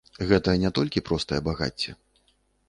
Гэта не толькі простае багацце.